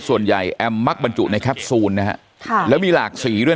ส่วนใหญ่แอมมักบรรจุในแคปซูนนะฮะแล้วมีหลากสีด้วย